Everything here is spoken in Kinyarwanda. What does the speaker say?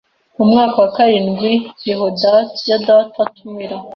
Mu mwaka wa karindwi Yehoyada atumira